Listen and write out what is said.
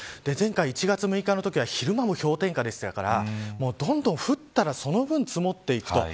前回１月６日のときは昼間も氷点下でしたからどんどん降ったらその分積もっていく。